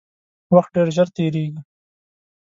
وخت ډیر ژر تیریږي